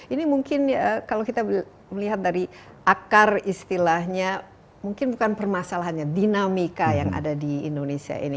ini mungkin kalau kita melihat dari akar istilahnya mungkin bukan permasalahannya dinamika yang ada di indonesia ini